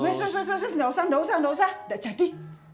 nggak usah nggak usah nggak usah nggak usah nggak jadi